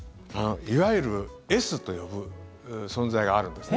いわゆるＳと呼ぶ存在があるんですね。